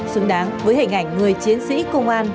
xứng đáng với hình ảnh người chiến sĩ công an